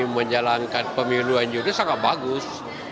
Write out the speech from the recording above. menjalankan pemilu yang jujur sangat bagus